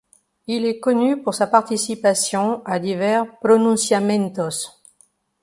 Il est connu pour sa participation à divers pronunciamientos.